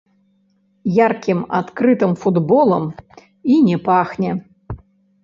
Яркім адкрытым футболам і не пахне.